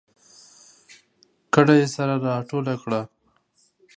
کډه یې سره راټوله کړه